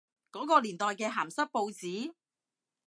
嗰個年代嘅鹹濕報紙？